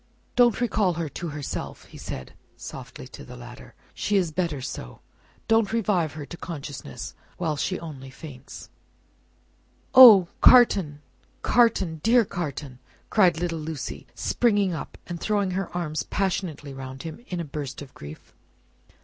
"Don't recall her to herself," he said, softly, to the latter, "she is better so. Don't revive her to consciousness, while she only faints." "Oh, Carton, Carton, dear Carton!" cried little Lucie, springing up and throwing her arms passionately round him, in a burst of grief.